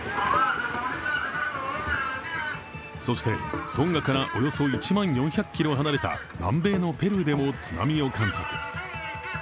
そして、トンガからおよそ１万４００ｋｍ離れた南米のペルーでも津波を観測。